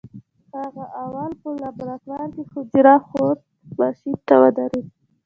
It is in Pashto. هغه اول په لابراتوار کې حجره ښود ماشين ته ودرېد.